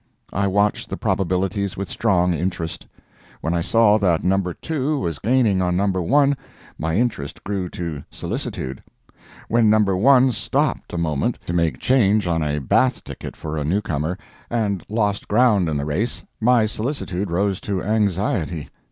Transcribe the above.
I watched the probabilities with strong interest. When I saw that No. 2 was gaining on No. 1, my interest grew to solicitude. When No. 1 stopped a moment to make change on a bath ticket for a new comer, and lost ground in the race, my solicitude rose to anxiety.